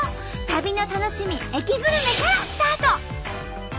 旅の楽しみ駅グルメからスタート。